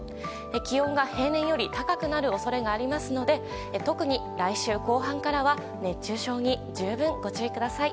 気温が平年より高くなる恐れがありますので特に来週後半からは熱中症に十分ご注意ください。